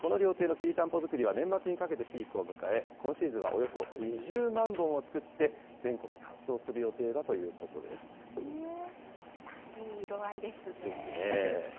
この料亭のきりたんぽ作りは年末にかけてピークを迎え、今シーズンはおよそ２０万本を作って、全国に発送する予定だということです。ですね。